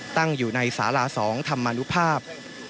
ตั้งอยู่ในสารา๒ธรรมนุภาพ